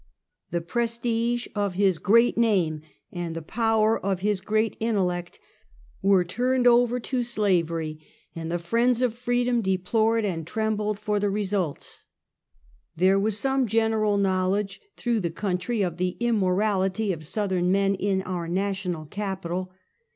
The prestige of his great name and the power of his great intellect were turned over to slavery, and the friends of freedom deplored and trembled for the result. There was some general knowledge through the coun try of the immorality of Southern men in our national capital.